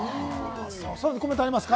さらにコメントありますか？